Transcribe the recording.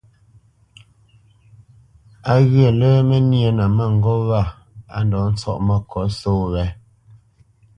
Á ghyə̂ lə́ mə́ nyénə mə́ŋgôp wa á ndɔ̌ ntsɔ́ʼ məkǒt só wě.